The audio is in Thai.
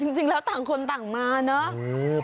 จริงแล้วต่างคนต่างมาเนอะ